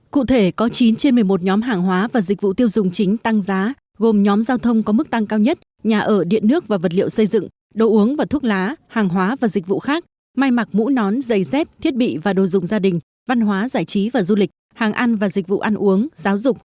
cụ thể có chín trên một mươi một nhóm hàng hóa và dịch vụ tiêu dùng chính tăng giá gồm nhóm giao thông có mức tăng cao nhất nhà ở điện nước và vật liệu xây dựng đồ uống và thuốc lá hàng hóa và dịch vụ khác may mặc mũ nón giày dép thiết bị và đồ dùng gia đình văn hóa giải trí và du lịch hàng ăn và dịch vụ ăn uống giáo dục